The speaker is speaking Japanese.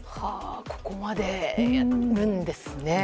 ここまでやるんですね。